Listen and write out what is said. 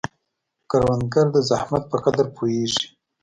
کروندګر د زحمت په قدر پوهیږي